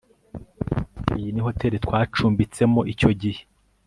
iyi ni hoteri twacumbitsemo icyo gihe